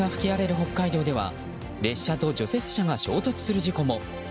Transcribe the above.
北海道では列車と除雪車が衝突する事故も。